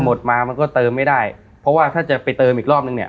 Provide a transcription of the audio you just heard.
หมดมามันก็เติมไม่ได้เพราะว่าถ้าจะไปเติมอีกรอบนึงเนี่ย